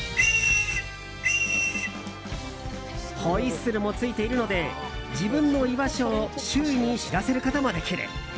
ホイッスルもついているので自分の居場所を周囲に知らせることもできる。